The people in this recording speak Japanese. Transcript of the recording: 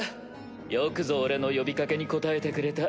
よくぞ俺の呼びかけに応えてくれた。